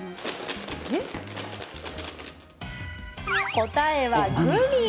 答えは、グミ。